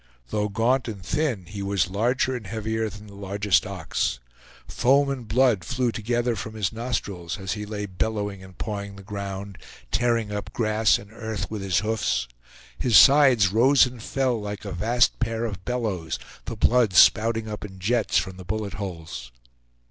Though gaunt and thin, he was larger and heavier than the largest ox. Foam and blood flew together from his nostrils as he lay bellowing and pawing the ground, tearing up grass and earth with his hoofs. His sides rose and fell like a vast pair of bellows, the blood spouting up in jets from the bullet holes.